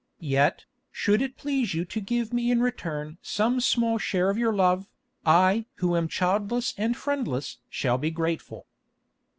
Yet, should it please you to give me in return some small share of your love, I who am childless and friendless shall be grateful."